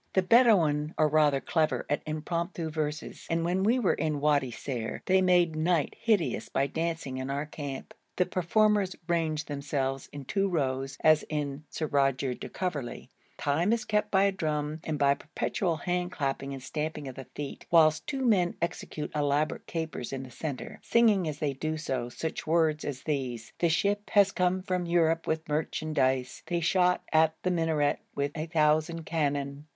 The Bedouin are rather clever at impromptu verses, and when we were in Wadi Ser they made night hideous by dancing in our camp. The performers ranged themselves in two rows, as in Sir Roger de Coverley; time is kept by a drum and by perpetual hand clapping and stamping of the feet, whilst two men execute elaborate capers in the centre, singing as they do so such words as these: 'The ship has come from Europe with merchandise; they shot at the minaret with a thousand cannon.'